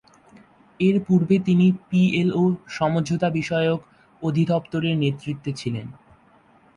এর পূর্বে তিনি পিএলও সমঝোতা বিষয়ক অধিদপ্তরের নেতৃত্বে ছিলেন।